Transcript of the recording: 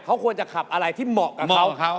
เขาควรจะขับอะไรที่เหมาะกับเขา